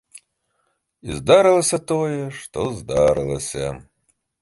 І здарылася тое, што здарылася.